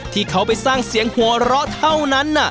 ที่เขาไปสร้างเสียงหัวเราะเท่านั้น